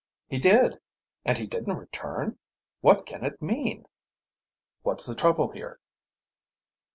"He did. And he didn't return? What can it mean?" "What's the trouble here?"